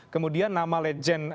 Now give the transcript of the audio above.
kemudian nama legend